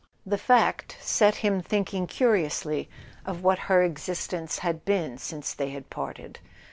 The fact set him thinking curiously of what her existence had been since they had parted.